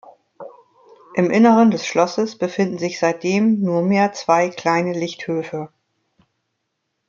Im Inneren des Schlosses befinden sich seitdem nur mehr zwei kleine Lichthöfe.